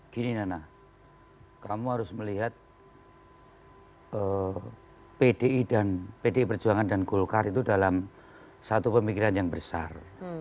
gini nana kamu harus melihat pdi perjuangan dan golkar itu dalam satu pemikiran yang besar